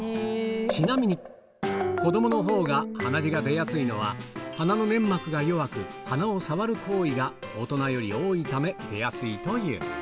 ちなみに、子どものほうが鼻血が出やすいのは、鼻の粘膜が弱く、鼻を触る行為が大人より多いため出やすいという。